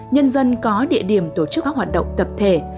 nhân dân có địa điểm tổ chức các hoạt động tập thể